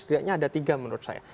setidaknya ada tiga menurut saya